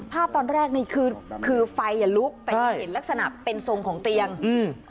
ภาพตอนแรกนี่คือคือไฟอ่ะลุกแต่ยังเห็นลักษณะเป็นทรงของเตียงอืม